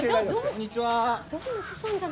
こんにちは。